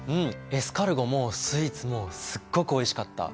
エスカルゴもスイーツもすっごくおいしかった。